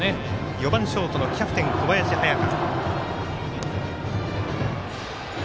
４番ショートのキャプテン小林隼翔。